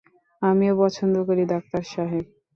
আমিও পছন্দ করি, ডাক্তার সাহেব।